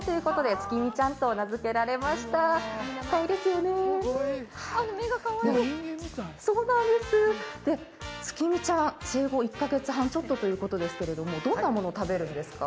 つきみちゃん、生後１カ月半ちょっとということなんですけれどもどんなものを食べるんですか？